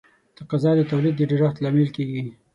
تقاضا د تولید د ډېرښت لامل کیږي.